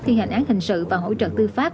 thi hành án hình sự và hỗ trợ tư pháp